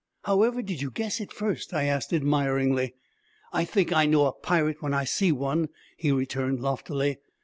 'However did you guess it first?' I asked admiringly. 'I think I know a pirate when I see one,' he returned loftily.